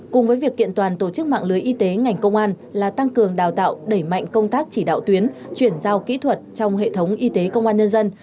cùng với việc kiện toàn tổ chức mạng lưới y tế ngành công an là tăng cường đào tạo đẩy mạnh công tác chỉ đạo tuyến chuyển giao kỹ thuật trong hệ thống y tế công an nhân dân